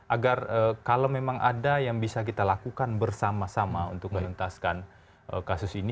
agar kalau memang ada yang bisa kita lakukan bersama sama untuk menuntaskan kasus ini